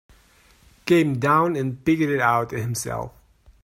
Came down and picked it out himself.